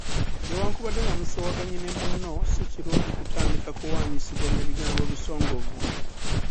Newankubadde nga musoowaganye ne munno, si kirungi kutandika kuwaanyisiganya bigambo bisongovu.